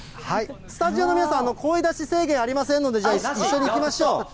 スタジオの皆さん、声出し制限ありませんので、一緒にいきましょう。